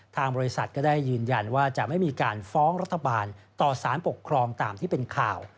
ทางบริษัทก็ได้ยืนยันว่าจะไม่มีการฟ้องรัฐบาลต่อสารปกครองตามที่เป็นข่าว